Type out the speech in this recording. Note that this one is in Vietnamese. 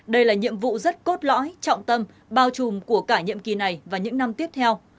đây là nhiệm vụ rất cốt lõi trọng tâm bao trùm của cả nhiệm kỳ này và những năm tiếp theo